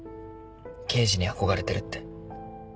刑事に憧れてるって。